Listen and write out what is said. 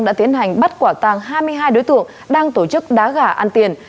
đã tiến hành bắt quả tàng hai mươi hai đối tượng đang tổ chức đá gà ăn tiền